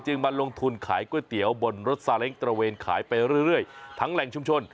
มาลงทุนขายก๋วยเตี๋ยวบนรถซาเล้งตระเวนขายไปเรื่อยทั้งแหล่งชุมชน